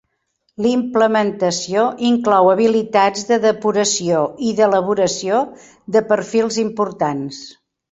La implementació inclou habilitats de depuració i d"elaboració de perfils importants.